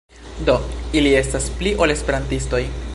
Do ili estas pli ol Esperantistoj.